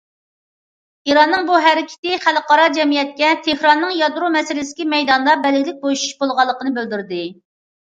ئىراننىڭ بۇ ھەرىكىتى خەلقئارا جەمئىيەتكە تېھراننىڭ يادرو مەسىلىسىدىكى مەيدانىدا بەلگىلىك بوشىشىش بولغانلىقىنى بىلدۈردى.